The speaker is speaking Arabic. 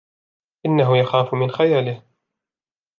إنه يخافُ من خيالهِ.